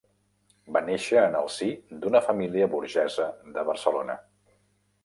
Va néixer en el si d'una família burgesa de Barcelona.